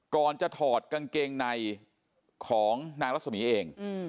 ก่อนจะถอดกางเกงในของนางรัศมีเอง